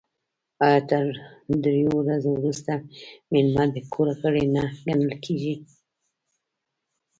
آیا تر دریو ورځو وروسته میلمه د کور غړی نه ګڼل کیږي؟